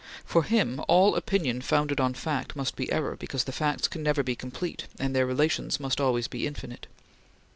For him, all opinion founded on fact must be error, because the facts can never be complete, and their relations must be always infinite.